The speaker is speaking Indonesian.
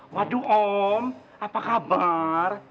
waduh om apa kabar